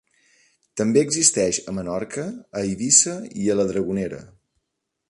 També existeix a Menorca, a Eivissa i a la Dragonera.